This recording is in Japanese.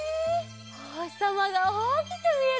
おほしさまがおおきくみえるね。